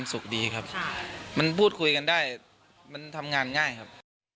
สุขดีครับมันพูดคุยกันได้มันทำงานง่ายครับ